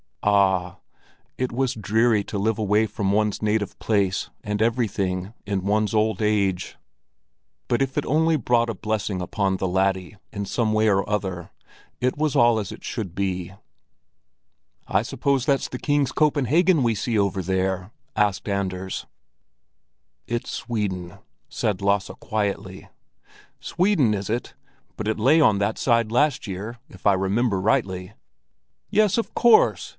Ah! it was dreary to live away from one's native place and everything in one's old age; but if it only brought a blessing on the laddie in some way or other, it was all as it should be. "I suppose that's the King's Copenhagen we see over there?" asked Anders. Country people speak of Copenhagen as "the King's Copenhagen." "It's Sweden," said Lasse quietly. "Sweden, is it? But it lay on that side last year, if I remember rightly." "Yes, of course!